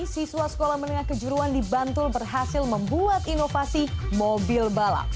siswa sekolah menengah kejuruan di bantul berhasil membuat inovasi mobil balap